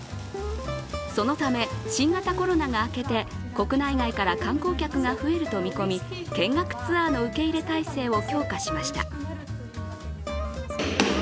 そのため、新型コロナが明けて国内外から観光客が増えると見込み、見学ツアーの受け入れ体制を強化しました。